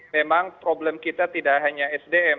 memang problem kita tidak hanya sdm